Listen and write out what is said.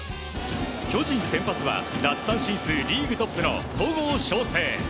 巨人、先発は奪三振数リーグトップの戸郷翔征。